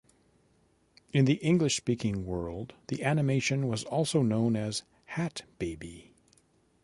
In the English-speaking world, the animation was also known as "Hatt-baby".